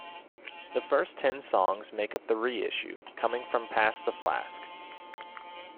The first ten songs make up the reissue, coming from Pass the Flask.